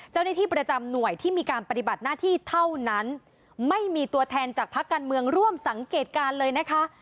เจ้าหน้าที่ประจำหน่วยที่มีการปฏิบัติหน้าที่เท่านั้นไม่มีตัวแทนจากพักการเมืองร่วมสังเกตการณ์เลยนะคะ